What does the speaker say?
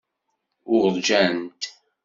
Uṛǧant.